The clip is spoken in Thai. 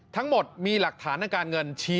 ทั้งหมดมีหลักฐานทางการเงินชี้